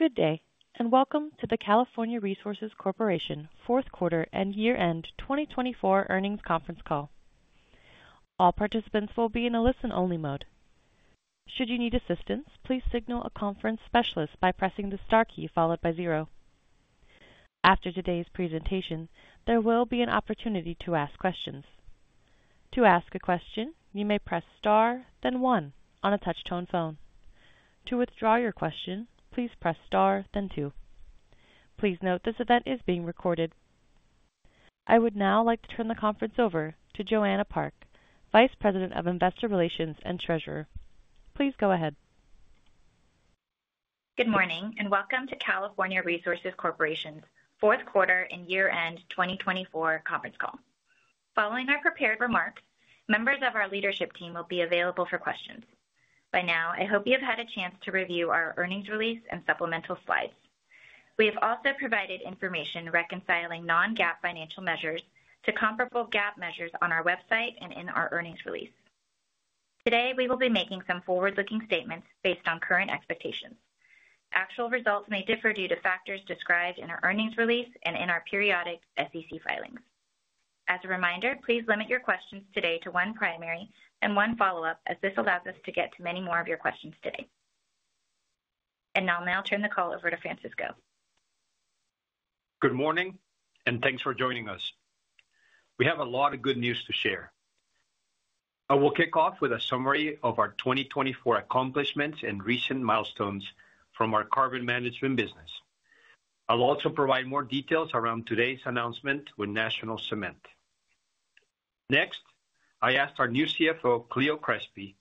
Good day, and welcome to the California Resources Corporation Q4 and Year-End 2024 Earnings Conference Call. All participants will be in a listen-only mode. Should you need assistance, please signal a conference specialist by pressing the star key followed by zero. After today's presentation, there will be an opportunity to ask questions. To ask a question, you may press star, then one on a touch-tone phone. To withdraw your question, please press star, then two. Please note this event is being recorded. I would now like to turn the conference over to Joanna Park, Vice President of Investor Relations and Treasurer. Please go ahead. Good morning, and welcome to California Resources Corporation's Q4 and Year-End 2024 Conference Call. Following our prepared remarks, members of our leadership team will be available for questions. By now, I hope you have had a chance to review our earnings release and supplemental slides. We have also provided information reconciling non-GAAP financial measures to comparable GAAP measures on our website and in our earnings release. Today, we will be making some forward-looking statements based on current expectations. Actual results may differ due to factors described in our earnings release and in our periodic SEC filings. As a reminder, please limit your questions today to one primary and one follow-up, as this allows us to get to many more of your questions today. And I'll now turn the call over to Francisco. Good morning, and thanks for joining us. We have a lot of good news to share. I will kick off with a summary of our 2024 accomplishments and recent milestones from our carbon management business. I'll also provide more details around today's announcement with National Cement. Next, I asked our new CFO, Clio Crespy,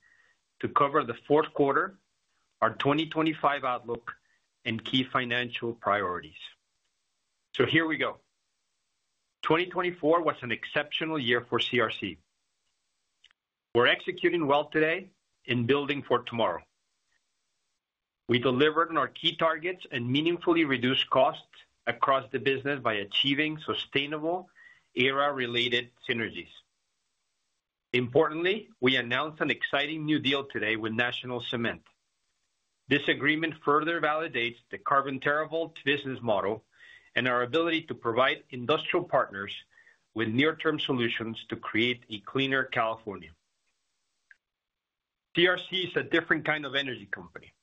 to cover the Q4, our 2025 outlook, and key financial priorities. So here we go. 2024 was an exceptional year for CRC. We're executing well today and building for tomorrow. We delivered on our key targets and meaningfully reduced costs across the business by achieving sustainable Aera-related synergies. Importantly, we announced an exciting new deal today with National Cement. This agreement further validates the Carbon TerraVault business model and our ability to provide industrial partners with near-term solutions to create a cleaner California. CRC is a different kind of energy company.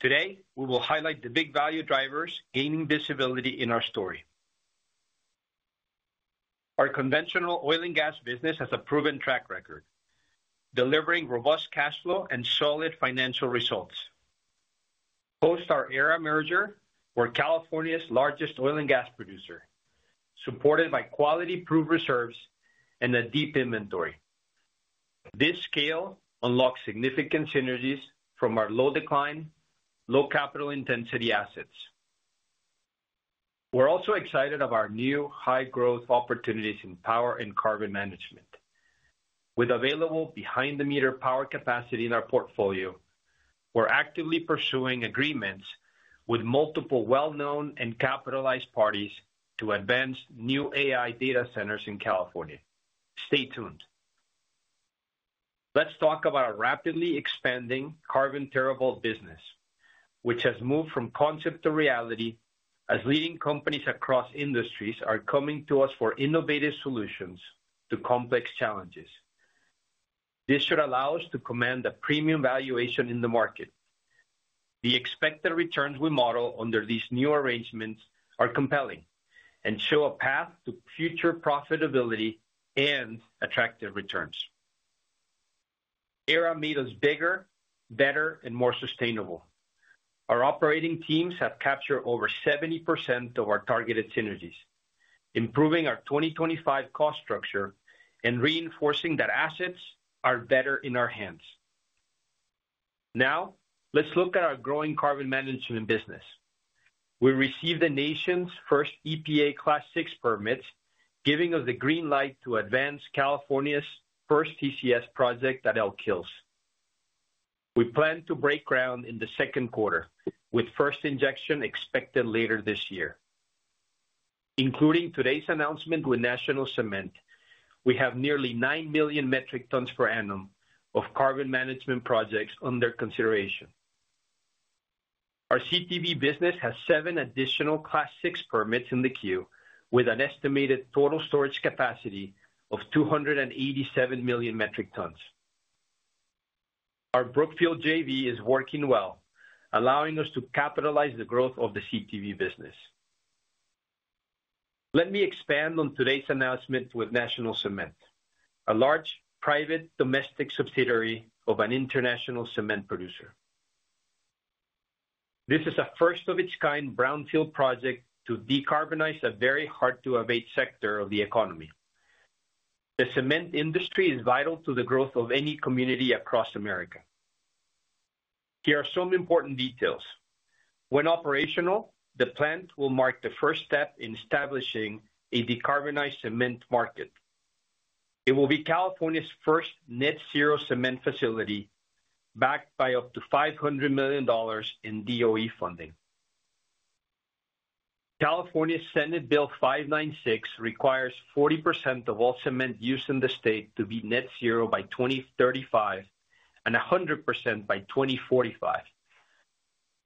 Today, we will highlight the big value drivers gaining visibility in our story. Our conventional oil and gas business has a proven track record, delivering robust cash flow and solid financial results. Post our Aera merger, we're California's largest oil and gas producer, supported by quality-proven reserves and a deep inventory. This scale unlocks significant synergies from our low-decline, low-capital-intensity assets. We're also excited about our new high-growth opportunities in power and carbon management. With available behind-the-meter power capacity in our portfolio, we're actively pursuing agreements with multiple well-known and capitalized parties to advance new AI data centers in California. Stay tuned. Let's talk about our rapidly expanding Carbon TerraVault business, which has moved from concept to reality, as leading companies across industries are coming to us for innovative solutions to complex challenges. This should allow us to command a premium valuation in the market. The expected returns we model under these new arrangements are compelling and show a path to future profitability and attractive returns. Aera made us bigger, better, and more sustainable. Our operating teams have captured over 70% of our targeted synergies, improving our 2025 cost structure and reinforcing that assets are better in our hands. Now, let's look at our growing carbon management business. We received the nation's first EPA Class VI permits, giving us the green light to advance California's first CCS project at Elk Hills. We plan to break ground in the Q2, with first injection expected later this year. Including today's announcement with National Cement, we have nearly 9 million metric tons per annum of carbon management projects under consideration. Our CTV business has seven additional Class VI permits in the queue, with an estimated total storage capacity of 287 million metric tons. Our Brookfield JV is working well, allowing us to capitalize the growth of the CTV business. Let me expand on today's announcement with National Cement, a large private domestic subsidiary of an international cement producer. This is a first-of-its-kind brownfield project to decarbonize a very hard-to-abate sector of the economy. The cement industry is vital to the growth of any community across America. Here are some important details. When operational, the plant will mark the first step in establishing a decarbonized cement market. It will be California's first net-zero cement facility, backed by up to $500 million in DOE funding. California Senate Bill 596 requires 40% of all cement used in the state to be net-zero by 2035 and 100% by 2045.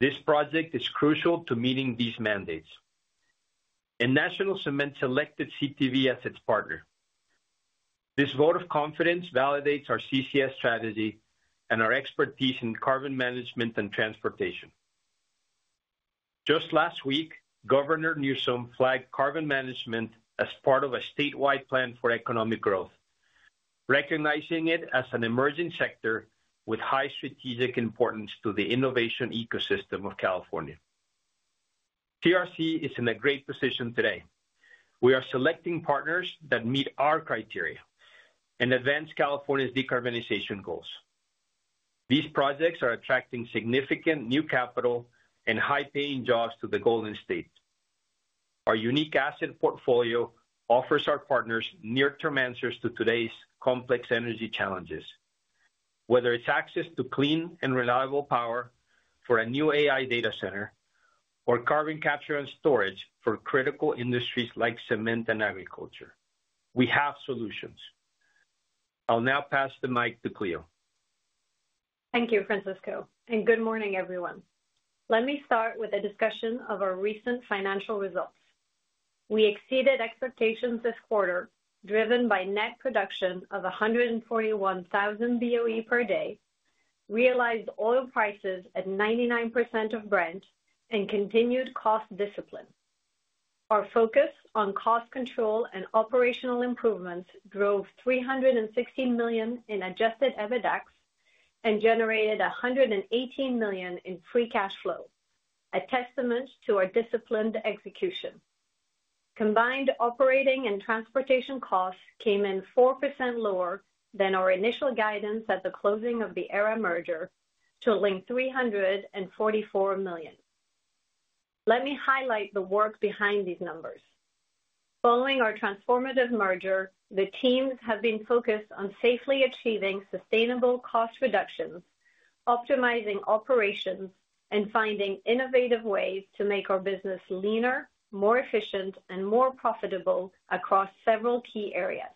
This project is crucial to meeting these mandates, and National Cement selected CTV as its partner. This vote of confidence validates our CCS strategy and our expertise in carbon management and transportation. Just last week, Governor Newsom flagged carbon management as part of a statewide plan for economic growth, recognizing it as an emerging sector with high strategic importance to the innovation ecosystem of California. CRC is in a great position today. We are selecting partners that meet our criteria and advance California's decarbonization goals. These projects are attracting significant new capital and high-paying jobs to the Golden State. Our unique asset portfolio offers our partners near-term answers to today's complex energy challenges. Whether it's access to clean and reliable power for a new AI data center or carbon capture and storage for critical industries like cement and agriculture, we have solutions. I'll now pass the mic to Clio. Thank you, Francisco, and good morning, everyone. Let me start with a discussion of our recent financial results. We exceeded expectations this quarter, driven by net production of 141,000 BOE per day, realized oil prices at 99% of Brent, and continued cost discipline. Our focus on cost control and operational improvements drove $316 million in Adjusted EBITDA and generated $118 million in free cash flow, a testament to our disciplined execution. Combined operating and transportation costs came in 4% lower than our initial guidance at the closing of the Aera merger to a linked $344 million. Let me highlight the work behind these numbers. Following our transformative merger, the teams have been focused on safely achieving sustainable cost reductions, optimizing operations, and finding innovative ways to make our business leaner, more efficient, and more profitable across several key areas.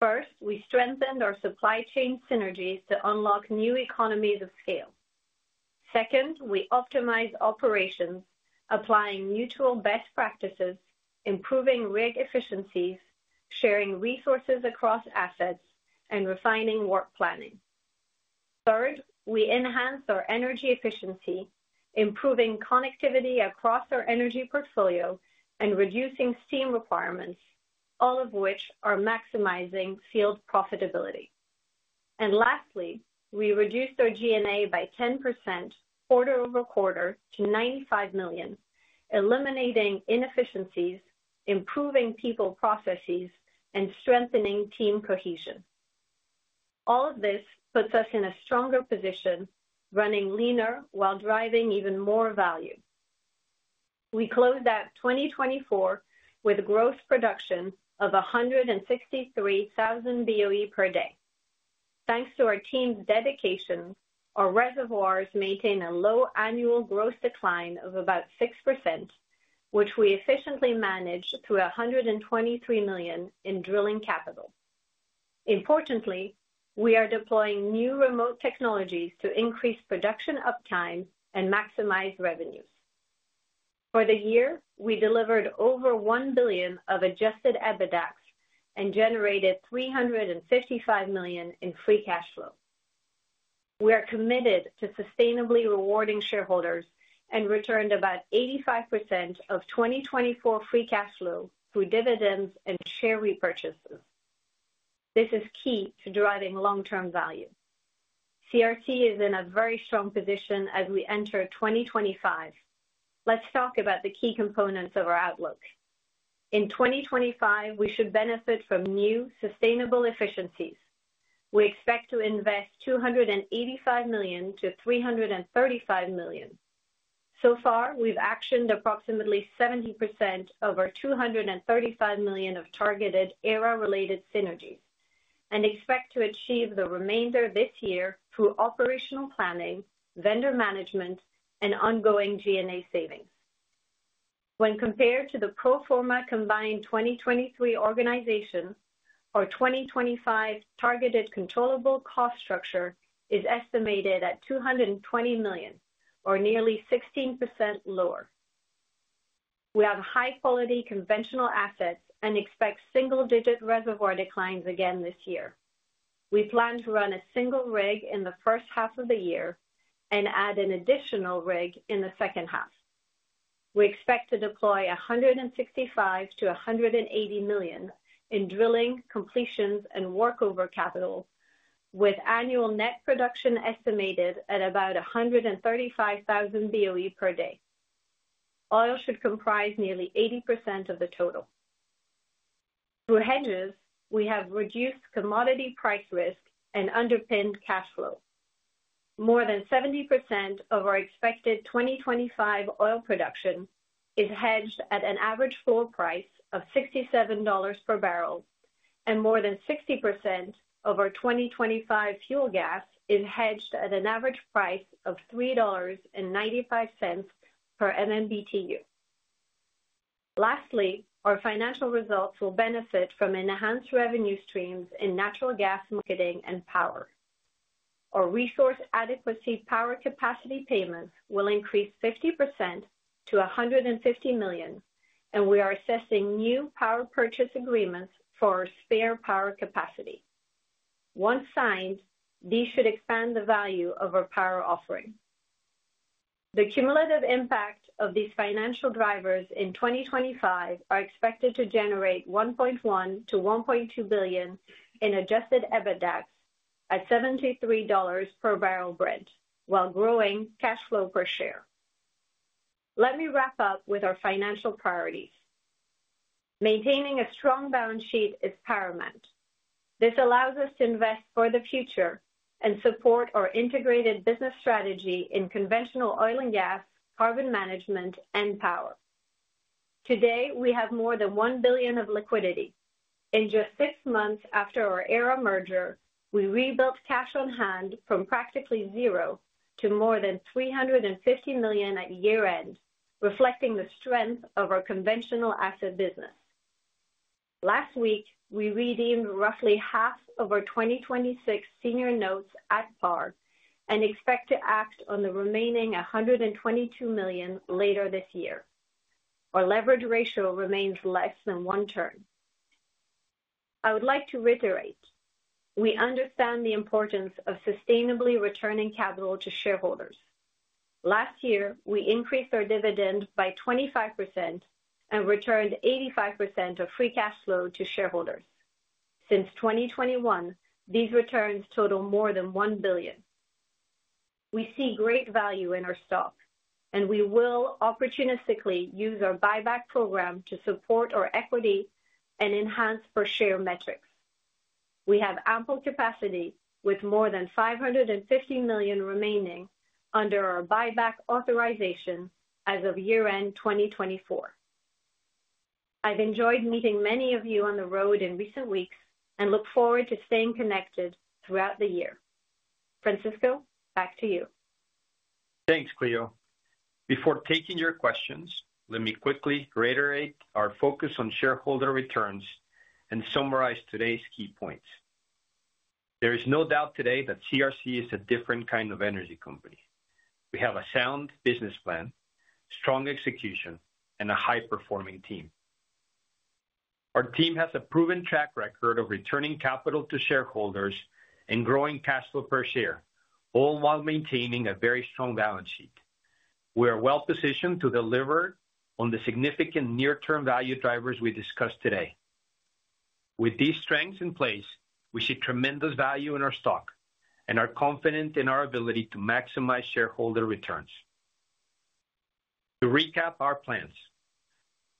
First, we strengthened our supply chain synergies to unlock new economies of scale. Second, we optimized operations, applying mutual best practices, improving rig efficiencies, sharing resources across assets, and refining work planning. Third, we enhanced our energy efficiency, improving connectivity across our energy portfolio and reducing steam requirements, all of which are maximizing field profitability. And lastly, we reduced our G&A by 10% quarter over quarter to $95 million, eliminating inefficiencies, improving people processes, and strengthening team cohesion. All of this puts us in a stronger position, running leaner while driving even more value. We closed that 2024 with gross production of 163,000 BOE per day. Thanks to our team's dedication, our reservoirs maintain a low annual gross decline of about 6%, which we efficiently managed through $123 million in drilling capital. Importantly, we are deploying new remote technologies to increase production uptime and maximize revenues. For the year, we delivered over $1 billion of Adjusted EBITDA and generated $355 million in free cash flow. We are committed to sustainably rewarding shareholders and returned about 85% of 2024 free cash flow through dividends and share repurchases. This is key to driving long-term value. CRC is in a very strong position as we enter 2025. Let's talk about the key components of our outlook. In 2025, we should benefit from new sustainable efficiencies. We expect to invest $285 million-$335 million. So far, we've actioned approximately 70% of our $235 million of targeted Aera-related synergies and expect to achieve the remainder this year through operational planning, vendor management, and ongoing G&A savings. When compared to the pro forma combined 2023 organization, our 2025 targeted controllable cost structure is estimated at $220 million, or nearly 16% lower. We have high-quality conventional assets and expect single-digit reservoir declines again this year. We plan to run a single rig in the first half of the year and add an additional rig in the second half. We expect to deploy $165 to $180 million in drilling, completions, and workover capital, with annual net production estimated at about 135,000 BOE per day. Oil should comprise nearly 80% of the total. Through hedges, we have reduced commodity price risk and underpinned cash flow. More than 70% of our expected 2025 oil production is hedged at an average full price of $67 per barrel, and more than 60% of our 2025 fuel gas is hedged at an average price of $3.95 per MMBtu. Lastly, our financial results will benefit from enhanced revenue streams in natural gas marketing and power. Our resource adequacy power capacity payments will increase 50% to $150 million, and we are assessing new power purchase agreements for our spare power capacity. Once signed, these should expand the value of our power offering. The cumulative impact of these financial drivers in 2025 is expected to generate $1.1-$1.2 billion in Adjusted EBITDA at $73 per barrel Brent, while growing cash flow per share. Let me wrap up with our financial priorities. Maintaining a strong balance sheet is paramount. This allows us to invest for the future and support our integrated business strategy in conventional oil and gas, carbon management, and power. Today, we have more than $1 billion of liquidity. In just six months after our Aera merger, we rebuilt cash on hand from practically zero to more than $350 million at year-end, reflecting the strength of our conventional asset business. Last week, we redeemed roughly half of our 2026 senior notes at par and expect to act on the remaining $122 million later this year. Our leverage ratio remains less than one turn. I would like to reiterate, we understand the importance of sustainably returning capital to shareholders. Last year, we increased our dividend by 25% and returned 85% of free cash flow to shareholders. Since 2021, these returns total more than $1 billion. We see great value in our stock, and we will opportunistically use our buyback program to support our equity and enhance per-share metrics. We have ample capacity with more than $550 million remaining under our buyback authorization as of year-end 2024. I've enjoyed meeting many of you on the road in recent weeks and look forward to staying connected throughout the year. Francisco, back to you. Thanks, Clio. Before taking your questions, let me quickly reiterate our focus on shareholder returns and summarize today's key points. There is no doubt today that CRC is a different kind of energy company. We have a sound business plan, strong execution, and a high-performing team. Our team has a proven track record of returning capital to shareholders and growing cash flow per share, all while maintaining a very strong balance sheet. We are well-positioned to deliver on the significant near-term value drivers we discussed today. With these strengths in place, we see tremendous value in our stock and are confident in our ability to maximize shareholder returns. To recap our plans,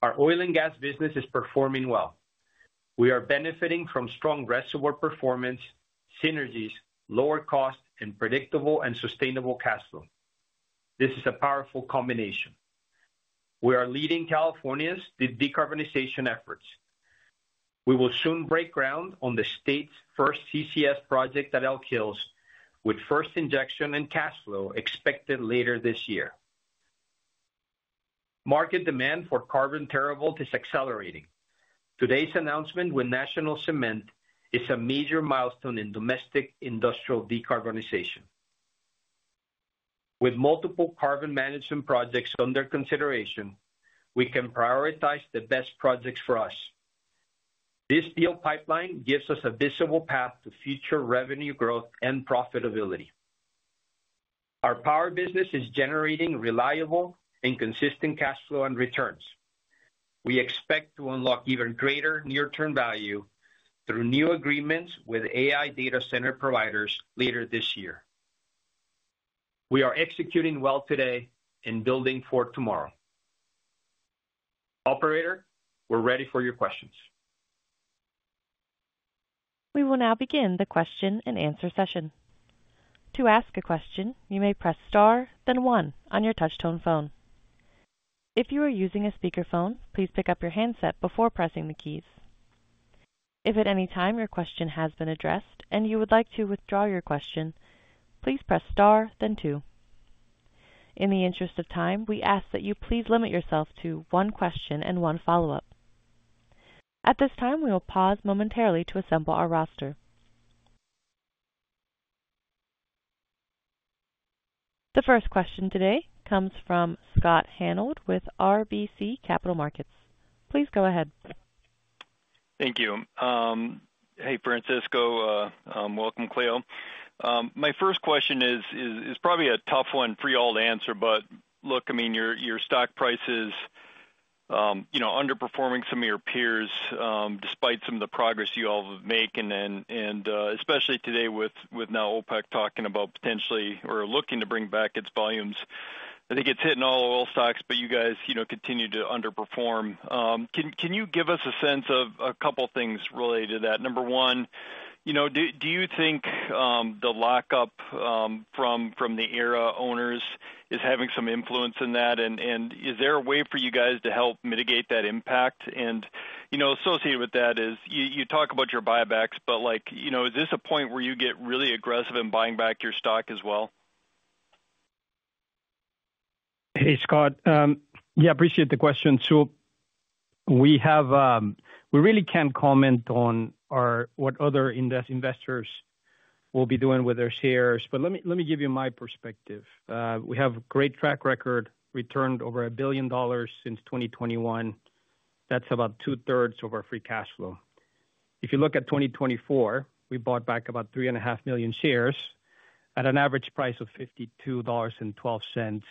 our oil and gas business is performing well. We are benefiting from strong reservoir performance, synergies, lower cost, and predictable and sustainable cash flow. This is a powerful combination. We are leading California's decarbonization efforts. We will soon break ground on the state's first CCS project at Elk Hills, with first injection and cash flow expected later this year. Market demand for Carbon TerraVault is accelerating. Today's announcement with National Cement is a major milestone in domestic industrial decarbonization. With multiple carbon management projects under consideration, we can prioritize the best projects for us. This deal pipeline gives us a visible path to future revenue growth and profitability. Our power business is generating reliable and consistent cash flow and returns. We expect to unlock even greater near-term value through new agreements with AI data center providers later this year. We are executing well today and building for tomorrow. Operator, we're ready for your questions. We will now begin the question and answer session. To ask a question, you may press star, then one on your touch-tone phone. If you are using a speakerphone, please pick up your handset before pressing the keys. If at any time your question has been addressed and you would like to withdraw your question, please press star, then two. In the interest of time, we ask that you please limit yourself to one question and one follow-up. At this time, we will pause momentarily to assemble our roster. The first question today comes from Scott Hanold with RBC Capital Markets. Please go ahead. Thank you. Hey, Francisco. Welcome, Clio. My first question is probably a tough one for you all to answer, but look, I mean, your stock price is underperforming some of your peers despite some of the progress you all have made, and especially today with now OPEC talking about potentially or looking to bring back its volumes. I think it's hitting all oil stocks, but you guys continue to underperform. Can you give us a sense of a couple of things related to that? Number one, do you think the lockup from the Aera owners is having some influence in that? And is there a way for you guys to help mitigate that impact? And associated with that is you talk about your buybacks, but is this a point where you get really aggressive in buying back your stock as well? Hey, Scott. Yeah, I appreciate the question. So we really can't comment on what other investors will be doing with their shares, but let me give you my perspective. We have a great track record, returned over $1 billion since 2021. That's about two-thirds of our free cash flow. If you look at 2024, we bought back about 3.5 million shares at an average price of $52.12.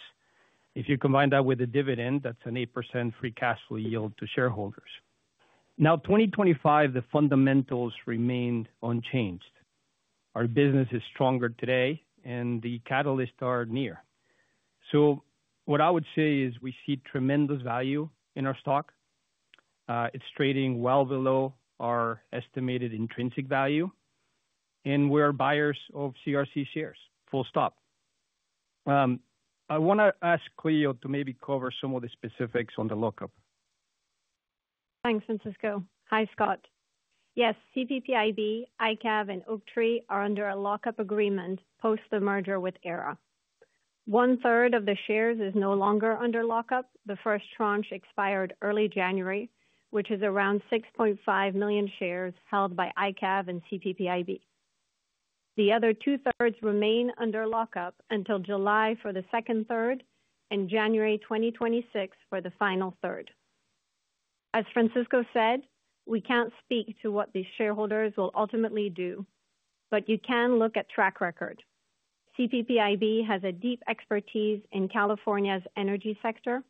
If you combine that with a dividend, that's an 8% free cash flow yield to shareholders. Now, 2025, the fundamentals remained unchanged. Our business is stronger today, and the catalysts are near. So what I would say is we see tremendous value in our stock. It's trading well below our estimated intrinsic value, and we're buyers of CRC shares. Full stop. I want to ask Clio to maybe cover some of the specifics on the lockup. Thanks, Francisco. Hi, Scott. Yes, CPPIB, IKAV, and Oaktree are under a lockup agreement post the merger with Aera. One-third of the shares is no longer under lockup. The first tranche expired early January, which is around 6.5 million shares held by IKAV and CPPIB. The other two-thirds remain under lockup until July for the second-third and January 2026 for the final-third. As Francisco said, we can't speak to what these shareholders will ultimately do, but you can look at track record. CPPIB has a deep expertise in California's energy sector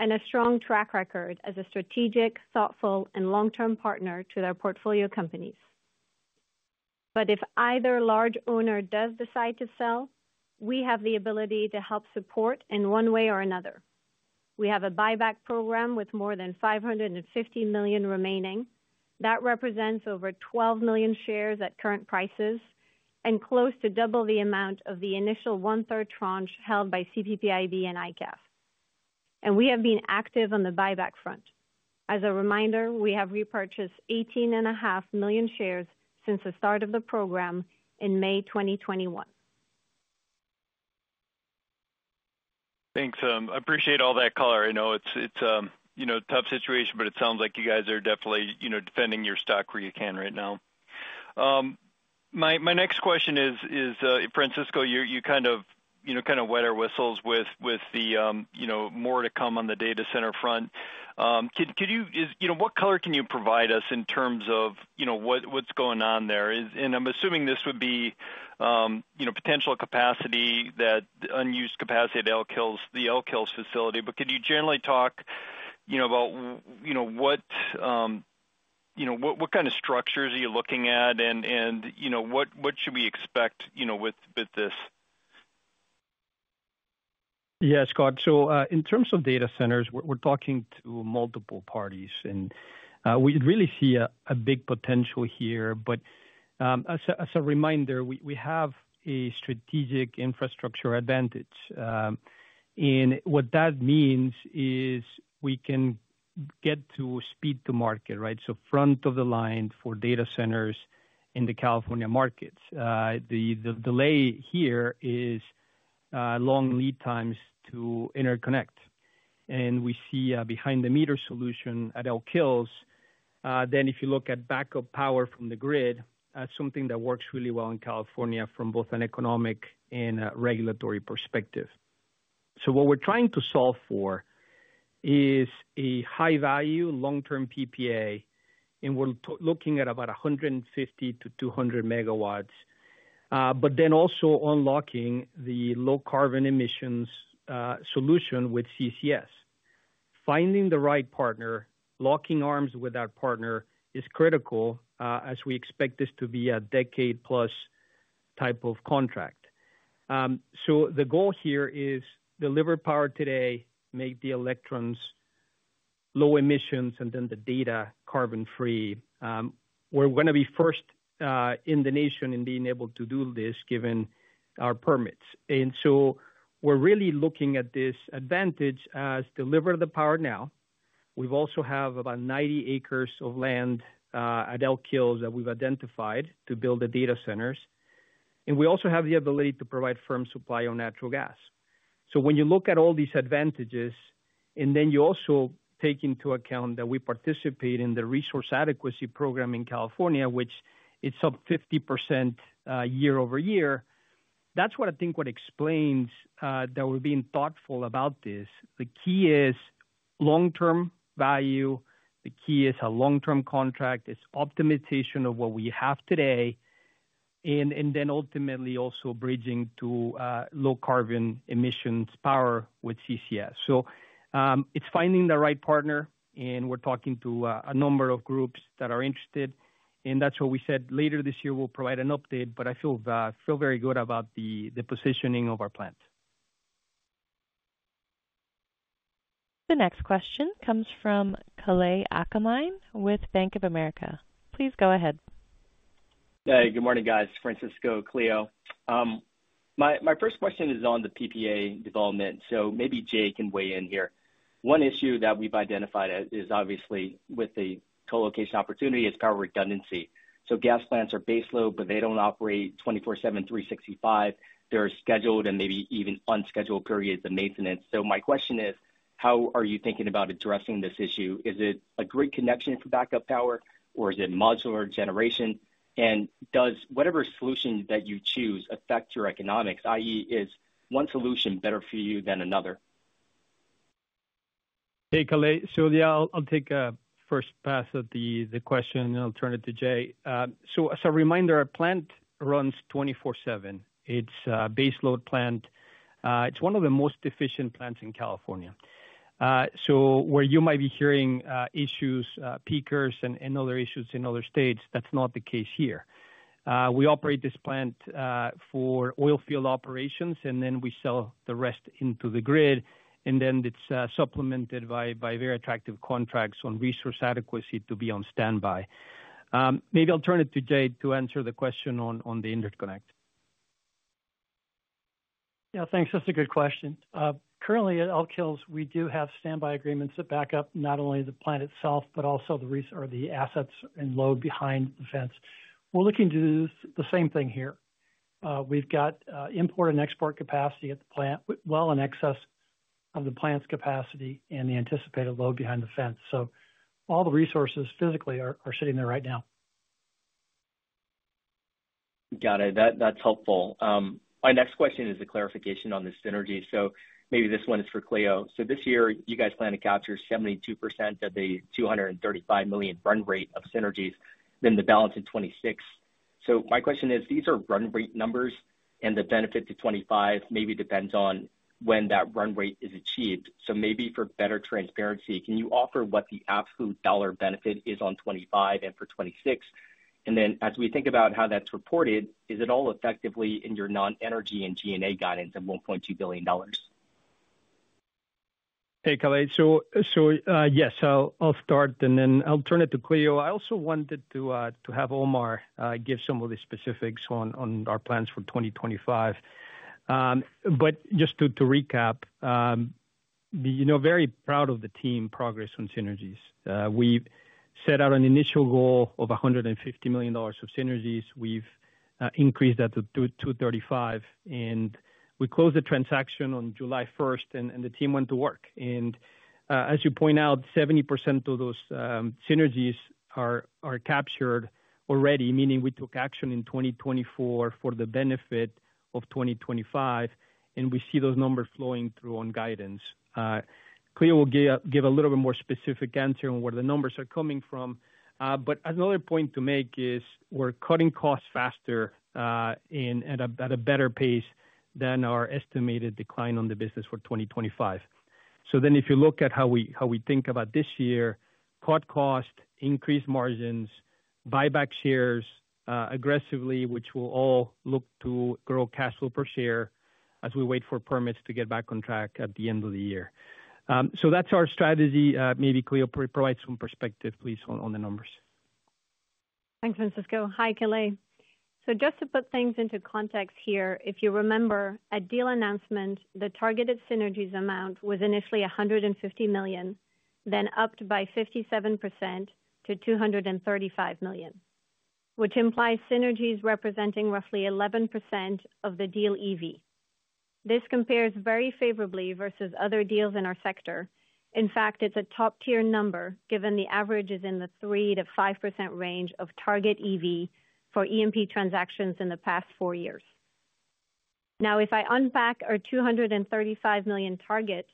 and a strong track record as a strategic, thoughtful, and long-term partner to their portfolio companies. But if either large owner does decide to sell, we have the ability to help support in one way or another. We have a buyback program with more than $550 million remaining. That represents over 12 million shares at current prices and close to double the amount of the initial one-third tranche held by CPPIB and IKAV. And we have been active on the buyback front. As a reminder, we have repurchased 18.5 million shares since the start of the program in May 2021. Thanks. I appreciate all that color. I know it's a tough situation, but it sounds like you guys are definitely defending your stock where you can right now. My next question is, Francisco, you kind of whet our whistles with the more to come on the data center front. What color can you provide us in terms of what's going on there? And I'm assuming this would be potential capacity, the unused capacity at the Elk Hills facility. But could you generally talk about what kind of structures are you looking at, and what should we expect with this? Yeah, Scott. So in terms of data centers, we're talking to multiple parties, and we really see a big potential here. But as a reminder, we have a strategic infrastructure advantage. And what that means is we can get to speed to market, right? So front of the line for data centers in the California markets. The delay here is long lead times to interconnect. And we see behind-the-meter solution at Elk Hills. Then if you look at backup power from the grid, something that works really well in California from both an economic and regulatory perspective. So what we're trying to solve for is a high-value, long-term PPA, and we're looking at about 150-200 megawatts, but then also unlocking the low-carbon emissions solution with CCS. Finding the right partner, locking arms with that partner is critical as we expect this to be a decade-plus type of contract. So the goal here is deliver power today, make the electrons low emissions, and then the data carbon-free. We're going to be first in the nation in being able to do this given our permits. And so we're really looking at this advantage as deliver the power now. We also have about 90 acres of land at Elk Hills that we've identified to build the data centers. And we also have the ability to provide firm supply on natural gas. So when you look at all these advantages, and then you also take into account that we participate in the resource adequacy program in California, which is up 50% year-over-year, that's what I think explains that we're being thoughtful about this. The key is long-term value. The key is a long-term contract, optimization of what we have today, and then ultimately also bridging to low-carbon emissions power with CCS, so it's finding the right partner, and we're talking to a number of groups that are interested, and that's why we said later this year we'll provide an update, but I feel very good about the positioning of our plant. The next question comes from Kalei Akamine with Bank of America. Please go ahead. Hey, good morning, guys. Francisco, Clio. My first question is on the PPA development. So maybe Jay can weigh in here. One issue that we've identified is obviously with the colocation opportunity is power redundancy. So gas plants are base load, but they don't operate 24/7, 365. There are scheduled and maybe even unscheduled periods of maintenance. So my question is, how are you thinking about addressing this issue? Is it a great connection for backup power, or is it modular generation? And does whatever solution that you choose affect your economics, i.e., is one solution better for you than another? Hey, Kalei, so yeah, I'll take a first pass at the question and I'll turn it to Jay. So as a reminder, our plant runs 24/7. It's a base load plant. It's one of the most efficient plants in California. So where you might be hearing issues, peakers, and other issues in other states, that's not the case here. We operate this plant for oil field operations, and then we sell the rest into the grid. And then it's supplemented by very attractive contracts on resource adequacy to be on standby. Maybe I'll turn it to Jay to answer the question on the interconnect. Yeah, thanks. That's a good question. Currently, at Elk Hills, we do have standby agreements that back up not only the plant itself, but also the assets and load behind the fence. We're looking to do the same thing here. We've got import and export capacity at the plant, well in excess of the plant's capacity and the anticipated load behind the fence. So all the resources physically are sitting there right now. Got it. That's helpful. My next question is a clarification on the synergy. So maybe this one is for Clio. So this year, you guys plan to capture 72% of the 235 million run rate of synergies, then the balance in 2026. So my question is, these are run rate numbers, and the benefit to 2025 maybe depends on when that run rate is achieved. So maybe for better transparency, can you offer what the absolute dollar benefit is on 2025 and for 2026? And then as we think about how that's reported, is it all effectively in your non-energy and G&A guidance of $1.2 billion? Hey, Kalei. So yes, I'll start, and then I'll turn it to Clio. I also wanted to have Omar give some of the specifics on our plans for 2025. But just to recap, very proud of the team progress on synergies. We set out an initial goal of $150 million of synergies. We've increased that to 235, and we closed the transaction on July 1st, and the team went to work. And as you point out, 70% of those synergies are captured already, meaning we took action in 2024 for the benefit of 2025, and we see those numbers flowing through on guidance. Clio will give a little bit more specific answer on where the numbers are coming from. But another point to make is we're cutting costs faster at a better pace than our estimated decline on the business for 2025. So then if you look at how we think about this year, cut costs, increase margins, buyback shares aggressively, which will all look to grow cash flow per share as we wait for permits to get back on track at the end of the year. So that's our strategy. Maybe Clio provides some perspective, please, on the numbers. Thanks, Francisco. Hi, Kalei. Just to put things into context here, if you remember, at deal announcement, the targeted synergies amount was initially $150 million, then upped by 57% to $235 million, which implies synergies representing roughly 11% of the deal EV. This compares very favorably versus other deals in our sector. In fact, it's a top-tier number given the average is in the 3% to 5% range of target EV for EMP transactions in the past four years. Now, if I unpack our $235 million target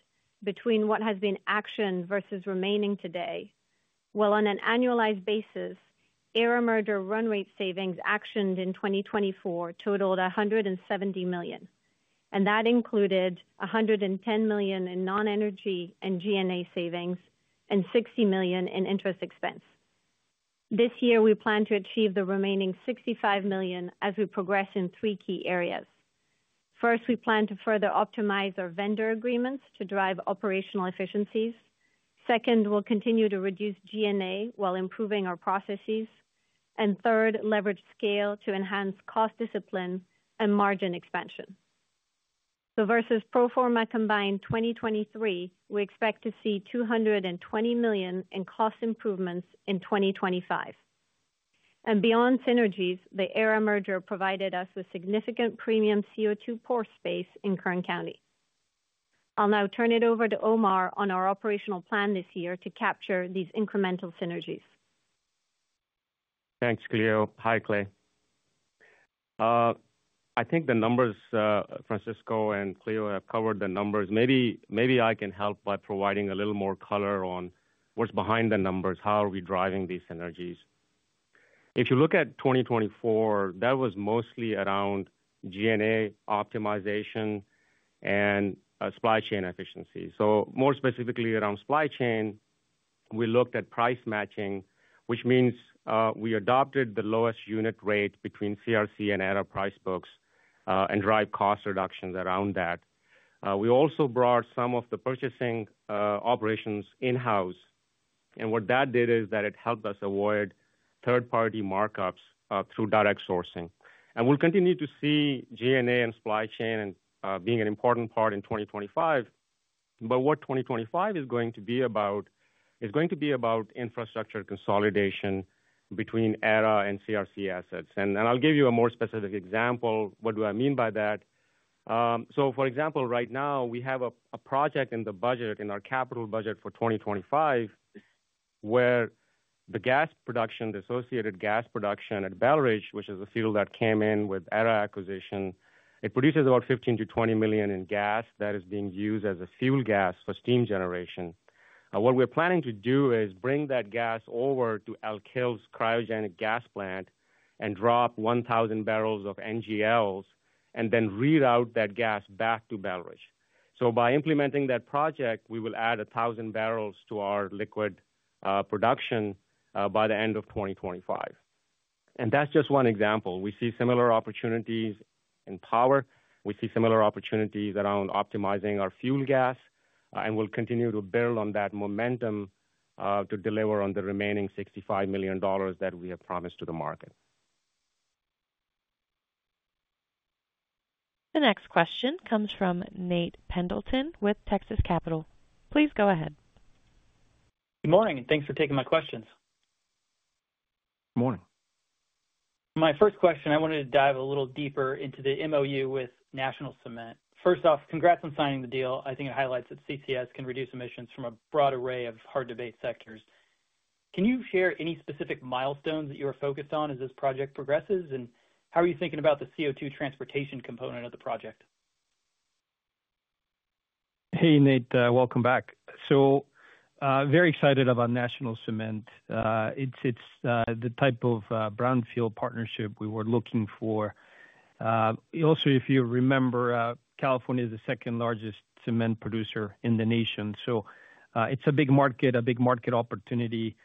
between what has been actioned versus remaining today, well, on an annualized basis, Aera merger run rate savings actioned in 2024 totaled $170 million. And that included $110 million in non-energy and G&A savings and $60 million in interest expense. This year, we plan to achieve the remaining $65 million as we progress in three key areas. First, we plan to further optimize our vendor agreements to drive operational efficiencies. Second, we'll continue to reduce G&A while improving our processes. And third, leverage scale to enhance cost discipline and margin expansion. So versus pro forma combined 2023, we expect to see $220 million in cost improvements in 2025. And beyond synergies, the Aera merger provided us with significant premium CO2 pore space in Kern County. I'll now turn it over to Omar on our operational plan this year to capture these incremental synergies. Thanks, Clio. Hi, Kalei. I think the numbers, Francisco and Clio, have covered the numbers. Maybe I can help by providing a little more color on what's behind the numbers, how we are driving these synergies. If you look at 2024, that was mostly around G&A optimization and supply chain efficiency. So more specifically around supply chain, we looked at price matching, which means we adopted the lowest unit rate between CRC and Aera price books and drive cost reductions around that. We also brought some of the purchasing operations in-house. And what that did is that it helped us avoid third-party markups through direct sourcing. And we'll continue to see G&A and supply chain being an important part in 2025. But what 2025 is going to be about is going to be about infrastructure consolidation between Aera and CRC assets. And I'll give you a more specific example. What do I mean by that? So for example, right now, we have a project in the budget, in our capital budget for 2025, where the gas production, the associated gas production at Belridge, which is a field that came in with Aera acquisition, it produces about 15 to 20 million in gas that is being used as a fuel gas for steam generation. What we're planning to do is bring that gas over to Elk Hills Cryogenic Gas Plant and drop 1,000 barrels of NGLs and then reroute that gas back to Belridge. So by implementing that project, we will add 1,000 barrels to our liquid production by the end of 2025. And that's just one example. We see similar opportunities in power. We see similar opportunities around optimizing our fuel gas. And we'll continue to build on that momentum to deliver on the remaining $65 million that we have promised to the market. The next question comes from Nate Pendleton with Texas Capital. Please go ahead. Good morning. Thanks for taking my questions. Good morning. My first question, I wanted to dive a little deeper into the MoU with National Cement. First off, congrats on signing the deal. I think it highlights that CCS can reduce emissions from a broad array of hard-to-abate sectors. Can you share any specific milestones that you are focused on as this project progresses? And how are you thinking about the CO2 transportation component of the project? Hey, Nate. Welcome back. So very excited about National Cement. It's the type of brownfield partnership we were looking for. Also, if you remember, California is the second largest cement producer in the nation. So it's a big market, a big market opportunity.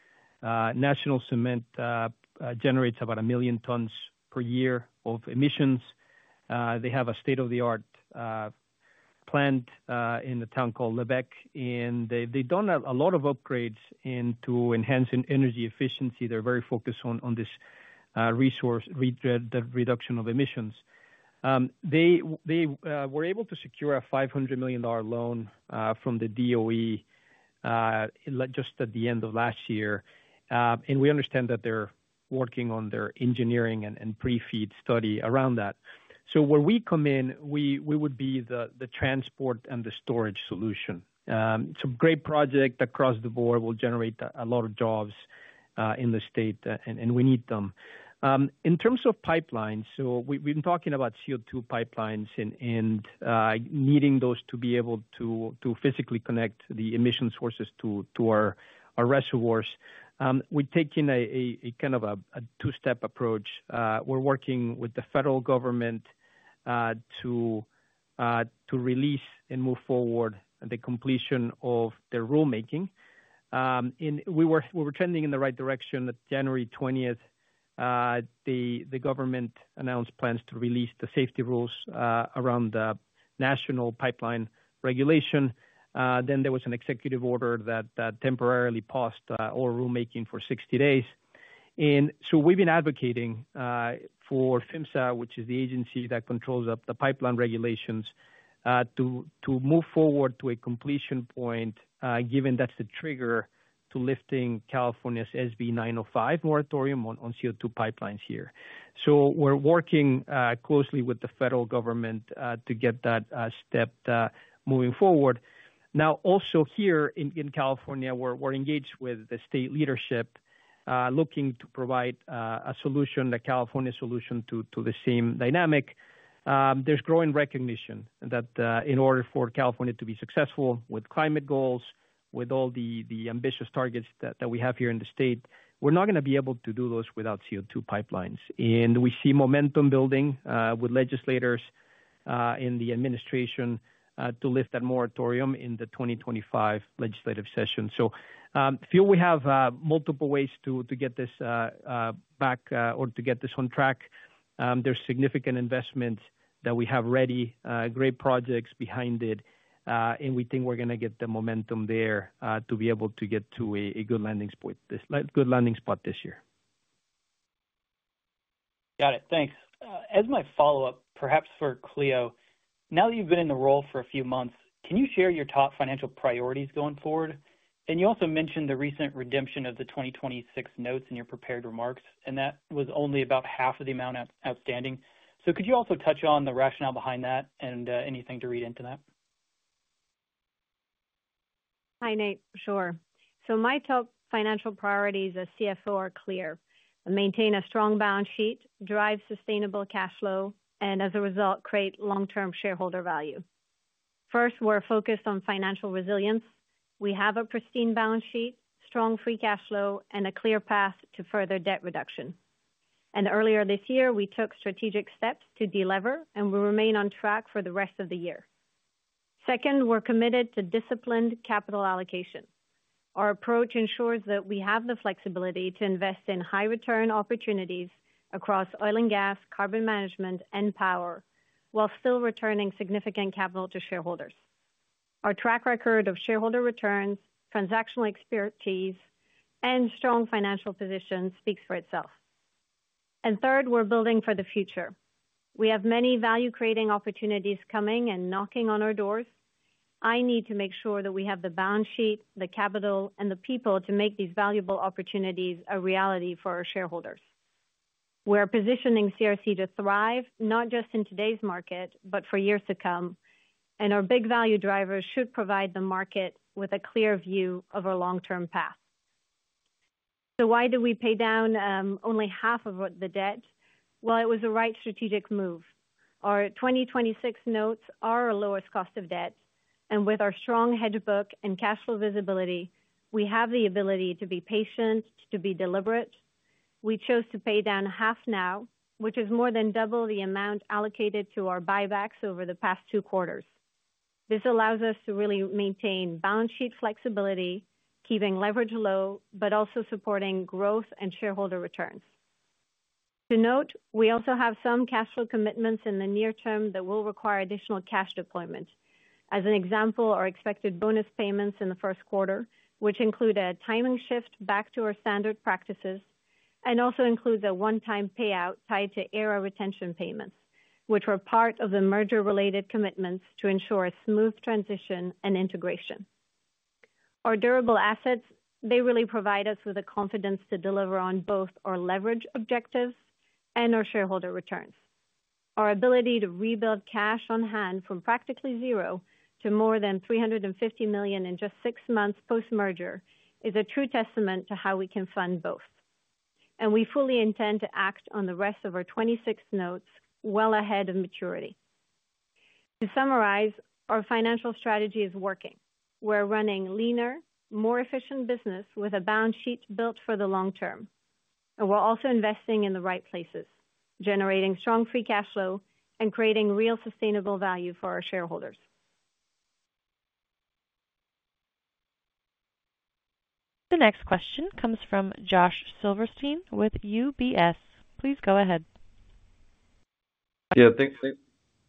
National Cement generates about a million tons per year of emissions. They have a state-of-the-art plant in a town called Lebec, and they've done a lot of upgrades to enhance energy efficiency. They're very focused on this resource reduction of emissions. They were able to secure a $500 million loan from the DOE just at the end of last year. And we understand that they're working on their engineering and pre-FEED study around that. So where we come in, we would be the transport and the storage solution. It's a great project across the board. We'll generate a lot of jobs in the state, and we need them. In terms of pipelines, so we've been talking about CO2 pipelines and needing those to be able to physically connect the emission sources to our reservoirs. We've taken a kind of a two-step approach. We're working with the federal government to release and move forward the completion of the rulemaking, and we were trending in the right direction. On January 20th, the government announced plans to release the safety rules around the national pipeline regulation, then there was an executive order that temporarily paused all rulemaking for 60 days, and so we've been advocating for PHMSA, which is the agency that controls the pipeline regulations, to move forward to a completion point, given that's the trigger to lifting California's SB 905 moratorium on CO2 pipelines here. So we're working closely with the federal government to get that step moving forward. Now, also here in California, we're engaged with the state leadership looking to provide a solution, a California solution to the same dynamic. There's growing recognition that in order for California to be successful with climate goals, with all the ambitious targets that we have here in the state, we're not going to be able to do those without CO2 pipelines. And we see momentum building with legislators in the administration to lift that moratorium in the 2025 legislative session. So I feel we have multiple ways to get this back or to get this on track. There's significant investments that we have ready, great projects behind it, and we think we're going to get the momentum there to be able to get to a good landing spot this year. Got it. Thanks. As my follow-up, perhaps for Clio, now that you've been in the role for a few months, can you share your top financial priorities going forward? And you also mentioned the recent redemption of the 2026 notes in your prepared remarks, and that was only about half of the amount outstanding. So could you also touch on the rationale behind that and anything to read into that? Hi, Nate. Sure. So my top financial priorities as CFO are clear: maintain a strong balance sheet, drive sustainable cash flow, and as a result, create long-term shareholder value. First, we're focused on financial resilience. We have a pristine balance sheet, strong Free Cash Flow, and a clear path to further debt reduction. And earlier this year, we took strategic steps to deliver, and we remain on track for the rest of the year. Second, we're committed to disciplined capital allocation. Our approach ensures that we have the flexibility to invest in high-return opportunities across oil and gas, carbon management, and power while still returning significant capital to shareholders. Our track record of shareholder returns, transactional expertise, and strong financial position speaks for itself. And third, we're building for the future. We have many value-creating opportunities coming and knocking on our doors. I need to make sure that we have the balance sheet, the capital, and the people to make these valuable opportunities a reality for our shareholders. We're positioning CRC to thrive, not just in today's market, but for years to come. And our big value drivers should provide the market with a clear view of our long-term path. So why did we pay down only half of the debt? Well, it was the right strategic move. Our 2026 notes are our lowest cost of debt. And with our strong hedge book and cash flow visibility, we have the ability to be patient, to be deliberate. We chose to pay down half now, which is more than double the amount allocated to our buybacks over the past two quarters. This allows us to really maintain balance sheet flexibility, keeping leverage low, but also supporting growth and shareholder returns. To note, we also have some cash flow commitments in the near term that will require additional cash deployment. As an example, our expected bonus payments in the Q1, which include a timing shift back to our standard practices, and also includes a one-time payout tied to Aera retention payments, which were part of the merger-related commitments to ensure a smooth transition and integration. Our durable assets, they really provide us with the confidence to deliver on both our leverage objectives and our shareholder returns. Our ability to rebuild cash on hand from practically zero to more than $350 million in just six months post-merger is a true testament to how we can fund both, and we fully intend to act on the rest of our 2026 notes well ahead of maturity. To summarize, our financial strategy is working. We're running a leaner, more efficient business with a balance sheet built for the long term, and we're also investing in the right places, generating strong free cash flow and creating real sustainable value for our shareholders. The next question comes from Josh Silverstein with UBS. Please go ahead. Yeah, thanks, Nate.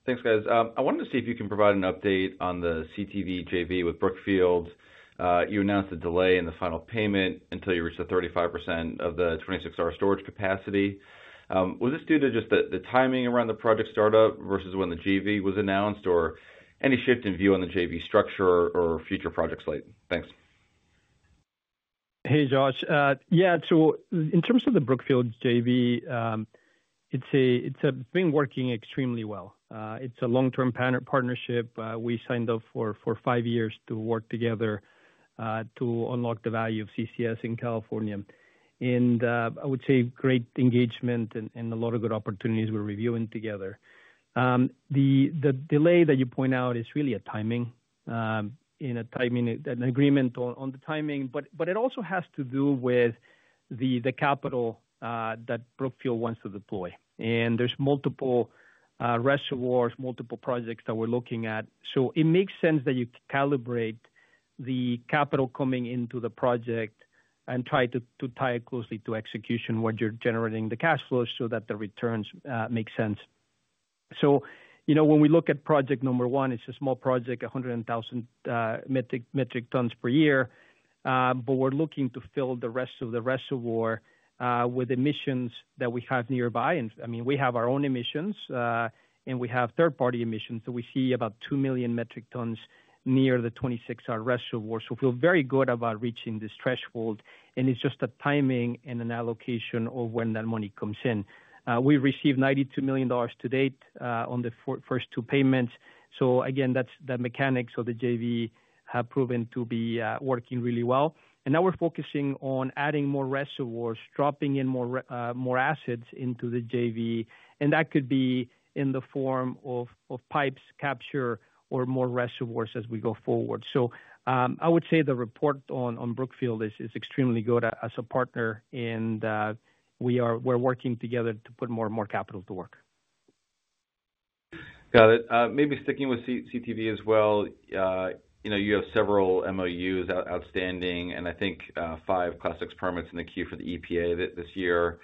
Thanks, guys. I wanted to see if you can provide an update on the CTV JV with Brookfield. You announced a delay in the final payment until you reached the 35% of the 26R storage capacity. Was this due to just the timing around the project startup versus when the JV was announced, or any shift in view on the JV structure or future projects late? Thanks. Hey, Josh. Yeah, so in terms of the Brookfield JV, it's been working extremely well. It's a long-term partnership. We signed up for five years to work together to unlock the value of CCS in California. And I would say great engagement and a lot of good opportunities we're reviewing together. The delay that you point out is really a timing, an agreement on the timing, but it also has to do with the capital that Brookfield wants to deploy. And there's multiple reservoirs, multiple projects that we're looking at. So it makes sense that you calibrate the capital coming into the project and try to tie it closely to execution when you're generating the cash flow so that the returns make sense. So when we look at project number one, it's a small project, 100,000 metric tons per year. We're looking to fill the rest of the reservoir with emissions that we have nearby. I mean, we have our own emissions, and we have third-party emissions. We see about two million metric tons near the 26R reservoir. We feel very good about reaching this threshold. It's just a timing and an allocation of when that money comes in. We received $92 million to date on the first two payments. Again, that's the mechanics of the JV have proven to be working really well. Now we're focusing on adding more reservoirs, dropping in more assets into the JV. That could be in the form of pipes, capture, or more reservoirs as we go forward. I would say the report on Brookfield is extremely good as a partner, and we're working together to put more and more capital to work. Got it. Maybe sticking with CTV as well. You have several MoUs outstanding, and I think five Class VI permits in the queue for the EPA this year.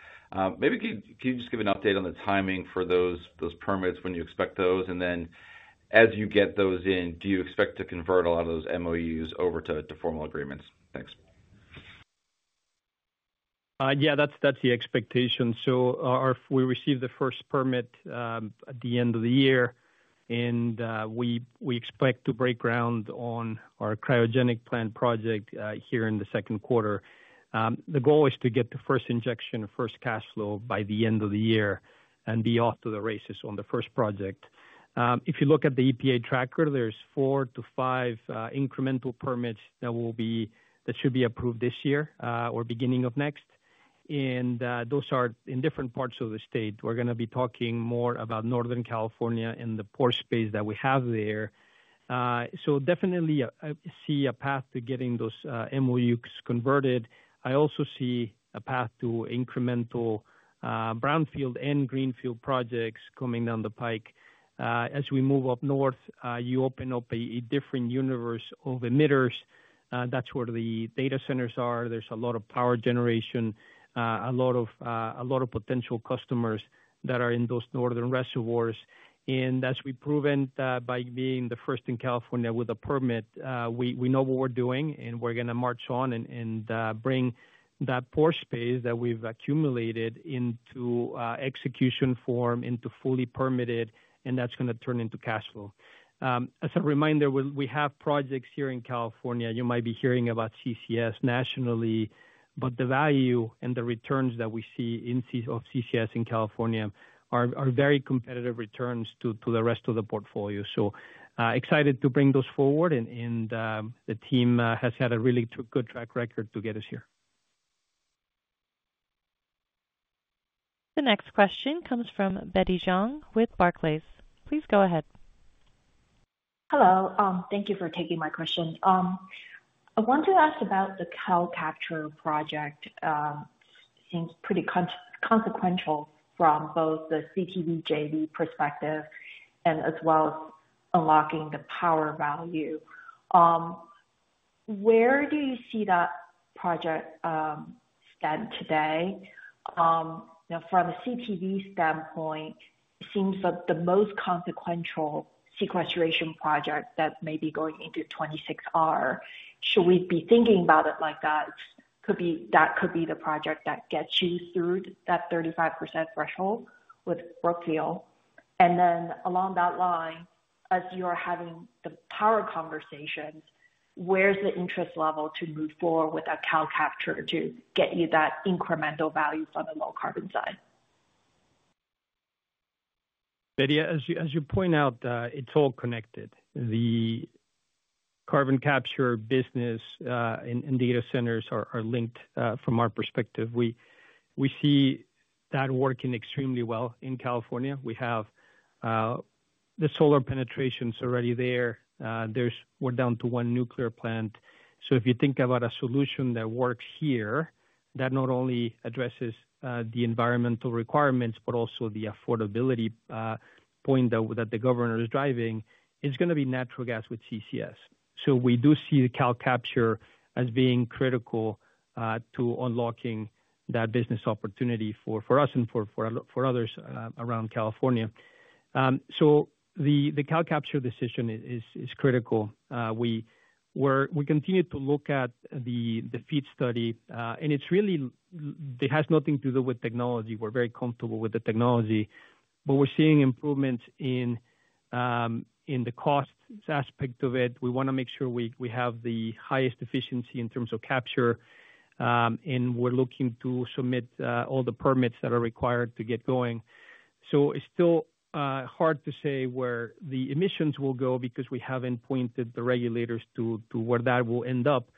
Maybe could you just give an update on the timing for those permits when you expect those? And then as you get those in, do you expect to convert a lot of those MoUs over to formal agreements? Thanks. Yeah, that's the expectation. So we received the first permit at the end of the year, and we expect to break ground on our cryogenic plant project here in the Q2. The goal is to get the first injection, first cash flow by the end of the year and be off to the races on the first project. If you look at the EPA tracker, there's four to five incremental permits that should be approved this year or beginning of next. And those are in different parts of the state. We're going to be talking more about Northern California and the pore space that we have there. So definitely see a path to getting those MoUs converted. I also see a path to incremental brownfield and greenfield projects coming down the pike. As we move up north, you open up a different universe of emitters. That's where the data centers are. There's a lot of power generation, a lot of potential customers that are in those northern reservoirs, and as we've proven by being the first in California with a permit, we know what we're doing, and we're going to march on and bring that pore space that we've accumulated into execution form, into fully permitted, and that's going to turn into cash flow. As a reminder, we have projects here in California. You might be hearing about CCS nationally, but the value and the returns that we see of CCS in California are very competitive returns to the rest of the portfolio, so excited to bring those forward, and the team has had a really good track record to get us here. The next question comes from Betty Jiang with Barclays. Please go ahead. Hello. Thank you for taking my question. I want to ask about the CalCapture project. It seems pretty consequential from both the CTV JV perspective and as well as unlocking the power value. Where do you see that project stand today? From a CTV standpoint, it seems that the most consequential sequestration project that may be going into 26R, should we be thinking about it like that? That could be the project that gets you through that 35% threshold with Brookfield. And then along that line, as you are having the power conversations, where's the interest level to move forward with that CalCapture to get you that incremental value from the low carbon side? Betty, as you point out, it's all connected. The carbon capture business and data centers are linked from our perspective. We see that working extremely well in California. We have the solar penetrations already there. We're down to one nuclear plant. So if you think about a solution that works here, that not only addresses the environmental requirements, but also the affordability point that the governor is driving, it's going to be natural gas with CCS. So we do see the CalCapture as being critical to unlocking that business opportunity for us and for others around California. So the CalCapture decision is critical. We continue to look at the FEED study, and it really has nothing to do with technology. We're very comfortable with the technology, but we're seeing improvements in the cost aspect of it. We want to make sure we have the higIest efficiency in terms of capture, and we're looking to submit all the permits that are required to get going. So it's still hard to say where the emissions will go because we haven't pointed the regulators to where that will end up.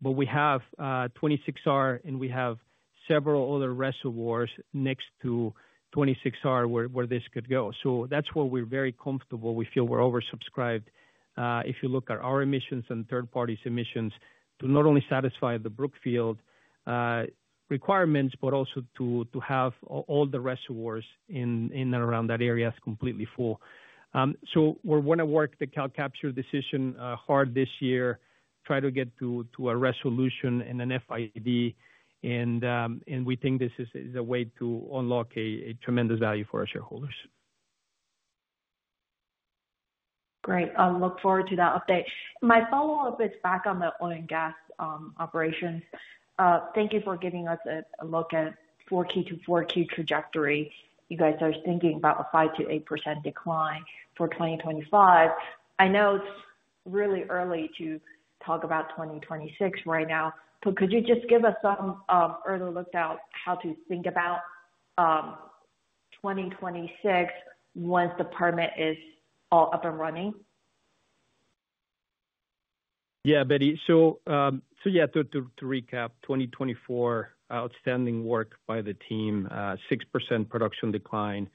But we have 26R, and we have several other reservoirs next to 26R where this could go. So that's where we're very comfortable. We feel we're oversubscribed. If you look at our emissions and third-party emissions, to not only satisfy the Brookfield requirements, but also to have all the reservoirs in and around that area completely full. So we're going to work the CalCapture decision hard this year, try to get to a resolution and an FID, and we think this is a way to unlock a tremendous value for our shareholders. Great. I'll look forward to that update. My follow-up is back on the oil and gas operations. Thank you for giving us a look at 4Q to 4Q trajectory. You guys are thinking about a 5% to 8% decline for 2025. I know it's really early to talk about 2026 right now, but could you just give us some early look at how to think about 2026 once the permit is all up and running? Yeah, Betty. So yeah, to recap, 2024, outstanding work by the team, 6% production decline,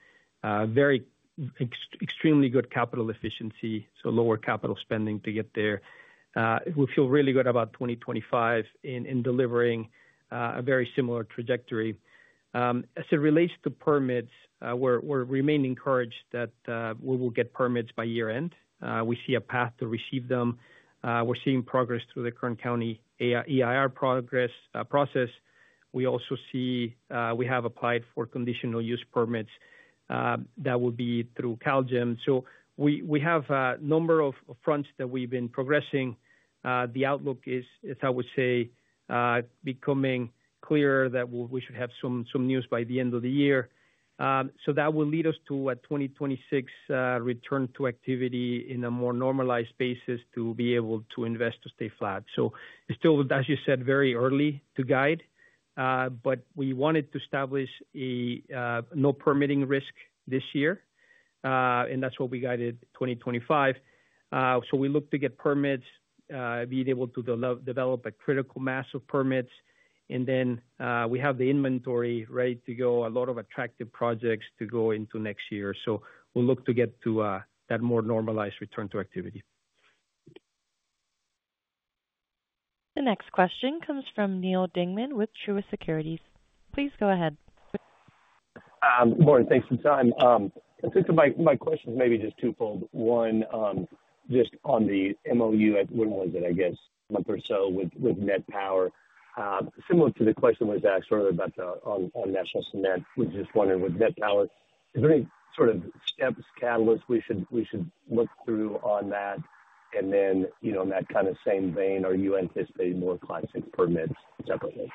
extremely good capital efficiency, so lower capital spending to get there. We feel really good about 2025 in delivering a very similar trajectory. As it relates to permits, we remain encouraged that we will get permits by year-end. We see a path to receive them. We're seeing progress through the Kern County EIR process. We also see we have applied for conditional use permits that will be through CalGEM. So we have a number of fronts that we've been progressing. The outlook is, I would say, becoming clearer that we should have some news by the end of the year. So that will lead us to a 2026 return to activity in a more normalized basis to be able to invest to stay flat. So it's still, as you said, very early to guide, but we wanted to establish a no permitting risk this year, and that's what we guided 2025. So we look to get permits, be able to develop a critical mass of permits, and then we have the inventory ready to go, a lot of attractive projects to go into next year. So we'll look to get to that more normalized return to activity. The next question comes from Neal Dingman with Truist Securities. Please go ahead. Morning. Thanks for the time. I think my question's maybe just twofold. One, just on the MoU, when was it, I guess, a month or so with NET Power? Similar to the question was asked earlier about National Cement, we just wondered with NET Power, is there any sort of steps, catalysts we should look through on that? And then in that kind of same vein, are you anticipating more Class VI permits separately?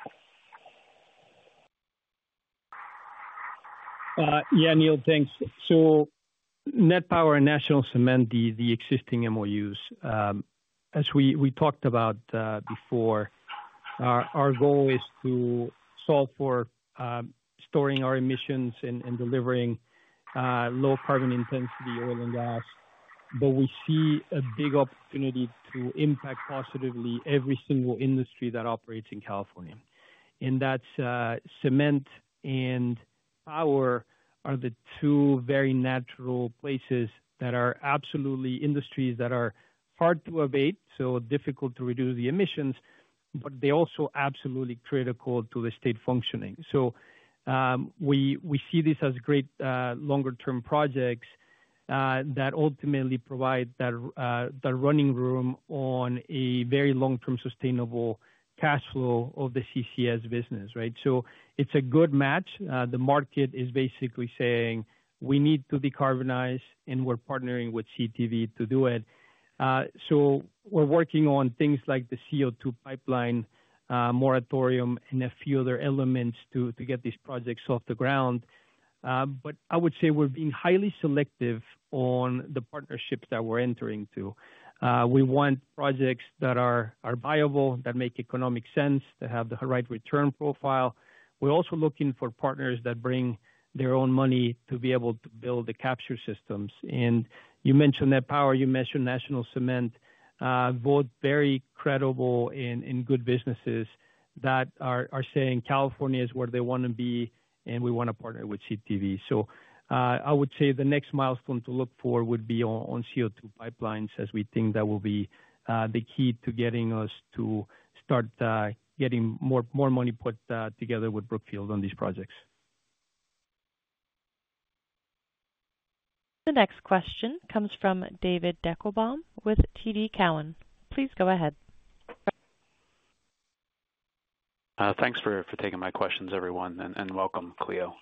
Yeah, Neil, thanks. So NET Power and National Cement, the existing MoUs, as we talked about before, our goal is to solve for storing our emissions and delivering low carbon intensity oil and gas. But we see a big opportunity to impact positively every single industry that operates in California. And that's cement and power are the two very natural places that are absolutely industries that are hard to abate, so difficult to reduce the emissions, but they're also absolutely critical to the state functioning. So we see this as great longer-term projects that ultimately provide that running room on a very long-term sustainable cash flow of the CCS business, right? So it's a good match. The market is basically saying, "We need to decarbonize," and we're partnering with CTV to do it. So we're working on things like the CO2 pipeline moratorium and a few other elements to get these projects off the ground. But I would say we're being highly selective on the partnerships that we're entering into. We want projects that are viable, that make economic sense, that have the right return profile. We're also looking for partners that bring their own money to be able to build the capture systems. And you mentioned NET Power, you mentioned National Cement, both very credible and good businesses that are saying California is where they want to be, and we want to partner with CTV. So I would say the next milestone to look for would be on CO2 pipelines, as we think that will be the key to getting us to start getting more money put together with Brookfield on these projects. The next question comes from David Deckelbaum with TD Cowen. Please go ahead. Thanks for taking my questions, everyone, and welcome, Clio.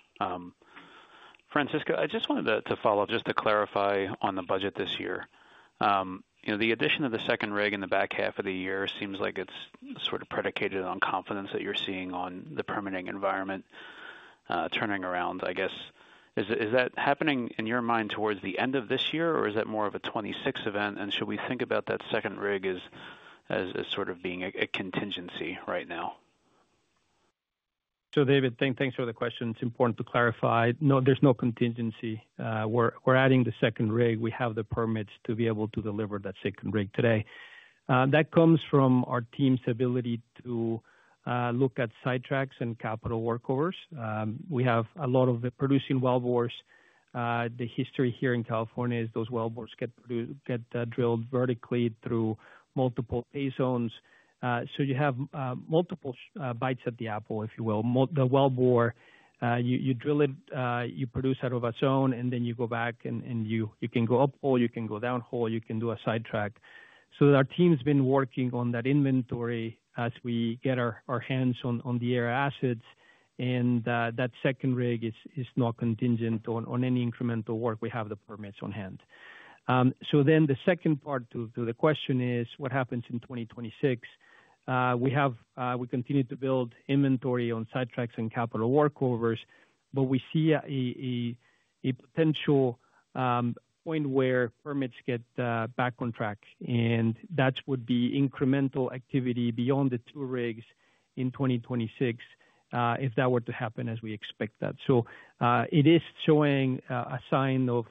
Francisco, I just wanted to follow up just to clarify on the budget this year. The addition of the second rig in the back half of the year seems like it's sort of predicated on confidence that you're seeing on the permitting environment turning around, I guess. Is that happening in your mind towards the end of this year, or is that more of a 2026 event, and should we think about that second rig as sort of being a contingency right now? So David, thanks for the question. It's important to clarify. No, there's no contingency. We're adding the second rig. We have the permits to be able to deliver that second rig today. That comes from our team's ability to look at sidetracks and capital workovers. We have a lot of producing wellbores. The history here in California is those wellbores get drilled vertically through multiple pay zones. So you have multiple bites at the apple, if you will. The wellbore, you drill it, you produce out of a zone, and then you go back and you can go uphole, you can go downhole, you can do a sidetrack. So our team's been working on that inventory as we get our hands on the Aera assets, and that second rig is not contingent on any incremental work. We have the permits on hand. So then the second part to the question is, what happens in 2026? We continue to build inventory on sidetracks and capital workovers, but we see a potential point where permits get back on track, and that would be incremental activity beyond the two rigs in 2026 if that were to happen as we expect that. So it is showing a sign of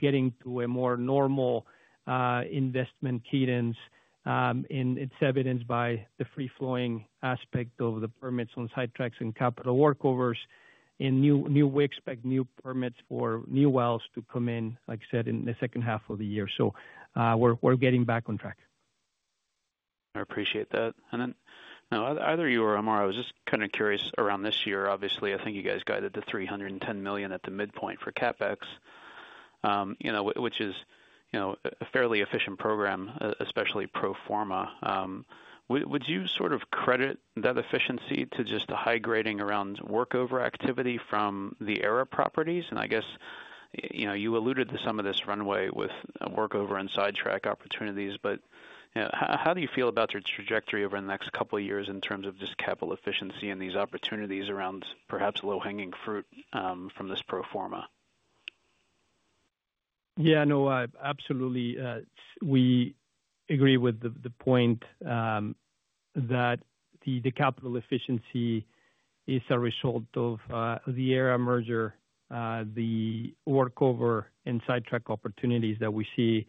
getting to a more normal investment cadence, and it's evidenced by the free-flowing aspect of the permits on sidetracks and capital workovers. And we expect new permits for new wells to come in, like I said, in the second half of the year. So we're getting back on track. I appreciate that. Then either you or Omar, I was just kind of curious around this year. Obviously, I think you guys guided the $310 million at the midpoint for CapEx, which is a fairly efficient program, especially pro forma. Would you sort of credit that efficiency to just a high grading around workover activity from the Aera properties? And I guess you alluded to some of this runway with workover and sidetrack opportunities, but how do you feel about your trajectory over the next couple of years in terms of just capital efficiency and these opportunities around perhaps low-hanging fruit from this pro forma? Yeah, no, absolutely. We agree with the point that the capital efficiency is a result of the Aera merger, the workover and sidetrack opportunities that we see.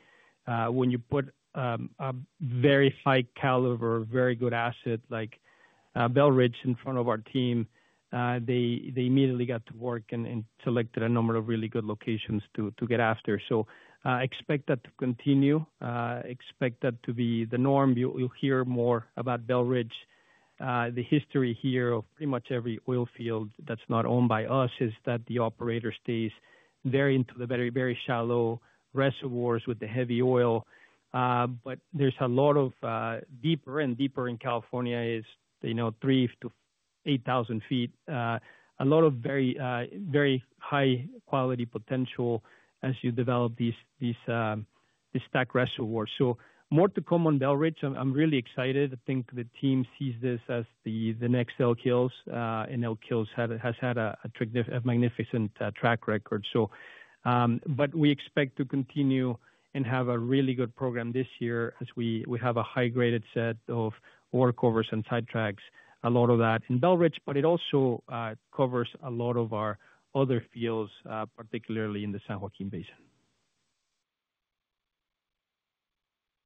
When you put a very high caliber, very good asset like Belridge in front of our team, they immediately got to work and selected a number of really good locations to get after. So expect that to continue. Expect that to be the norm. You'll hear more about Belridge. The history here of pretty much every oil field that's not owned by us is that the operator stays there into the very, very shallow reservoirs with the heavy oil. But there's a lot of deeper and deeper in California is three to 8,000 feet, a lot of very high-quality potential as you develop these stacked reservoirs. So more to come on Belridge. I'm really excited. I think the team sees this as the next Elk Hills, and Elk Hills has had a magnificent track record. But we expect to continue and have a really good program this year as we have a high-graded set of workovers and sidetracks, a lot of that in Belridge, but it also covers a lot of our other fields, particularly in the San Joaquin Basin.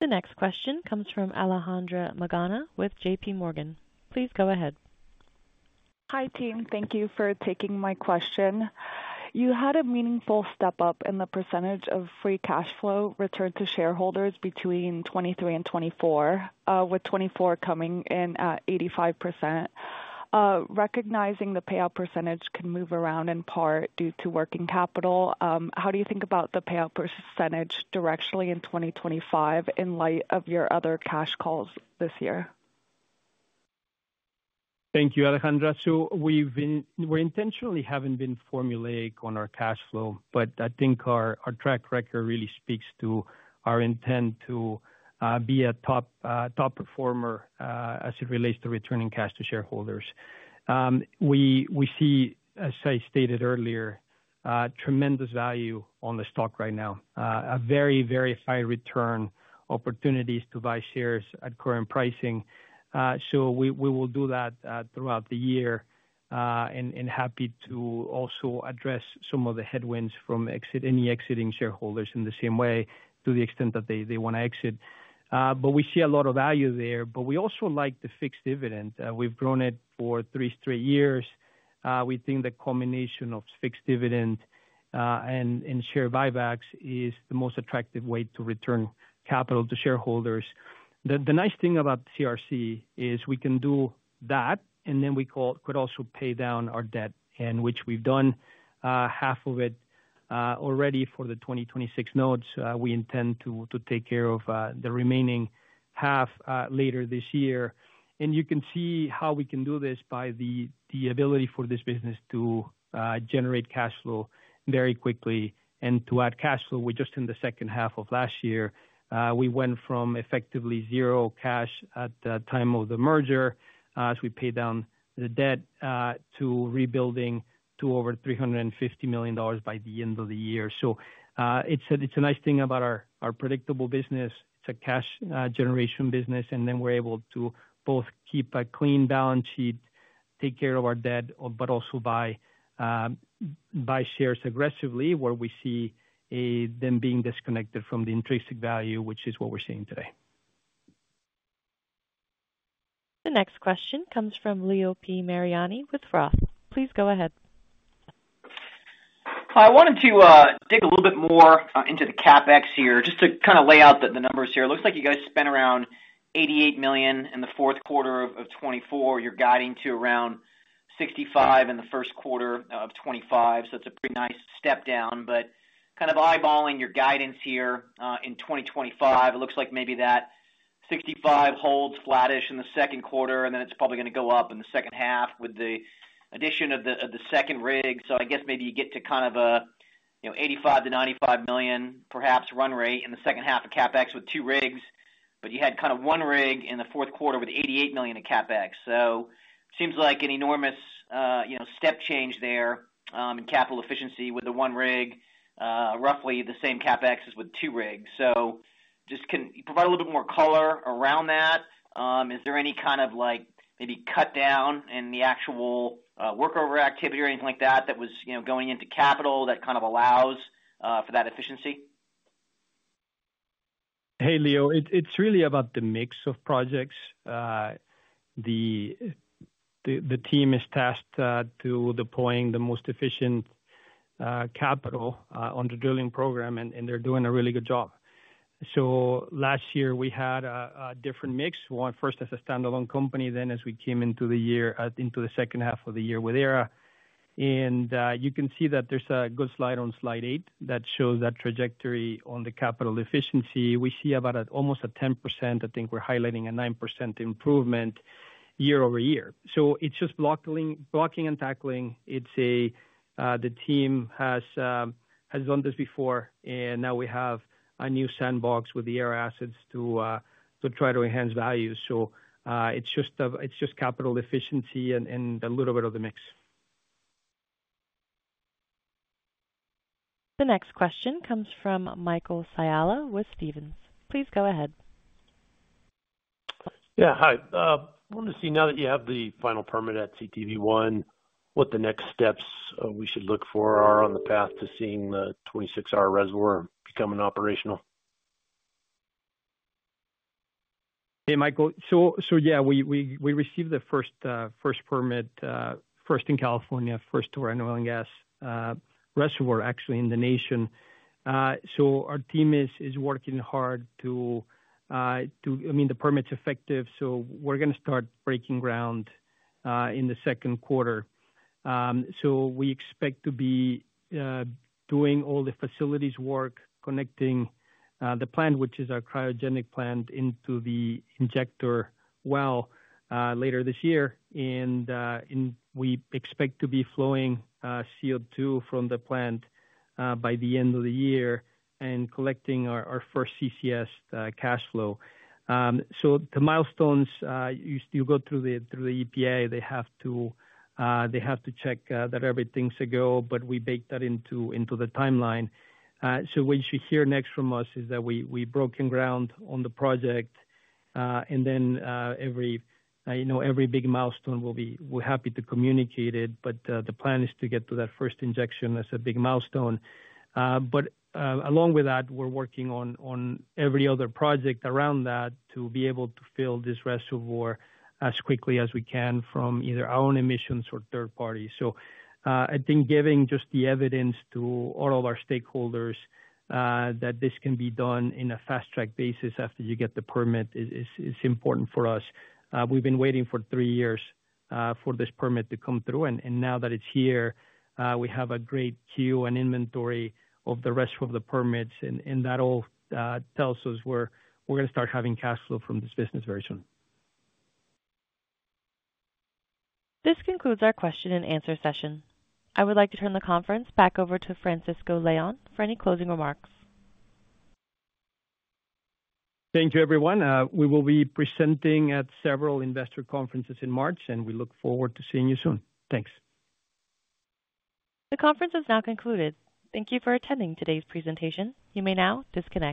The next question comes from Alejandra Magana with J.P. Morgan. Please go ahead. Hi, team. Thank you for taking my question. You had a meaningful step up in the percentage of free cash flow returned to shareholders between 2023 and 2024, with 2024 coming in at 85%. Recognizing the payout percentage can move around in part due to working capital. How do you think about the payout percentage directionally in 2025 in light of your other cash calls this year? Thank you, Alejandra. We intentionally haven't been formulaic on our cash flow, but I think our track record really speaks to our intent to be a top performer as it relates to returning cash to shareholders. We see, as I stated earlier, tremendous value on the stock right now, a very, very high return opportunities to buy shares at current pricing. We will do that throughout the year and happy to also address some of the headwinds from any exiting shareholders in the same way to the extent that they want to exit. We see a lot of value there, but we also like the fixed dividend. We've grown it for three straight years. We think the combination of fixed dividend and share buybacks is the most attractive way to return capital to shareholders. The nice thing about CRC is we can do that, and then we could also pay down our debt, which we've done half of it already for the 2026 notes. We intend to take care of the remaining half later this year. And you can see how we can do this by the ability for this business to generate cash flow very quickly and to add cash flow. Just in the second half of last year, we went from effectively zero cash at the time of the merger as we pay down the debt to rebuilding to over $350 million by the end of the year. So it's a nice thing about our predictable business. It's a cash generation business, and then we're able to both keep a clean balance sheet, take care of our debt, but also buy shares aggressively where we see them being disconnected from the intrinsic value, which is what we're seeing today. The next question comes from Leo Mariani with Roth. Please go ahead. I wanted to dig a little bit more into the CapEx here, just to kind of lay out the numbers here. It looks like you guys spent around $88 million in the Q4 of 2024. You're guiding to around $65 million in the Q1 of 2025. So it's a pretty nice step down. But kind of eyeballing your guidance here in 2025, it looks like maybe that $65 million holds flattish in the Q2, and then it's probably going to go up in the second half with the addition of the second rig. So I guess maybe you get to kind of a $85 to $95 million perhaps run rate in the second half of CapEx with two rigs, but you had kind of one rig in the Q4 with $88 million in CapEx. So it seems like an enormous step change there in capital efficiency with the one rig, roughly the same CapEx as with two rigs. So just can you provide a little bit more color around that? Is there any kind of maybe cut down in the actual workover activity or anything like that that was going into capital that kind of allows for that efficiency? Hey, Leo, it's really about the mix of projects. The team is tasked to deploying the most efficient capital on the drilling program, and they're doing a really good job. So last year, we had a different mix, first as a standalone company, then as we came into the second half of the year with Aera. And you can see that there's a good slide on slide eight that shows that trajectory on the capital efficiency. We see about almost 10%. I think we're highlighting 9% improvement year over year. So it's just blocking and tackling. The team has done this before, and now we have a new sandbox with the Aera assets to try to enhance value. So it's just capital efficiency and a little bit of the mix. The next question comes from Michael Scialla with Stephens. Please go ahead. Yeah, hi. I want to see now that you have the final permit at CTV I, what the next steps we should look for are on the path to seeing the 26R reservoir become operational? Hey, Michael. So yeah, we received the first permit, first in California, first to our oil and gas reservoir, actually, in the nation. So our team is working hard to, I mean, the permit's effective. So we're going to start breaking ground in the Q2. So we expect to be doing all the facilities work, connecting the plant, which is our cryogenic plant, into the injector well later this year. And we expect to be flowing CO2 from the plant by the end of the year and collecting our first CCS cash flow. So the milestones you go through the EPA. They have to check that everything's a go, but we baked that into the timeline. So what you hear next from us is that we've broken ground on the project. And then every big milestone, we're happy to communicate it, but the plan is to get to that first injection as a big milestone. But along with that, we're working on every other project around that to be able to fill this reservoir as quickly as we can from either our own emissions or third parties. So I think giving just the evidence to all of our stakeholders that this can be done in a fast-track basis after you get the permit is important for us. We've been waiting for three years for this permit to come through, and now that it's here, we have a great queue and inventory of the rest of the permits, and that all tells us we're going to start having cash flow from this business very soon. This concludes our question and answer session. I would like to turn the conference back over to Francisco Leon for any closing remarks. Thank you, everyone. We will be presenting at several investor conferences in March, and we look forward to seeing you soon. Thanks. The conference is now concluded. Thank you for attending today's presentation. You may now disconnect.